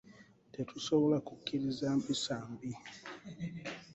Tetusobola kukkiriza mpisa mbi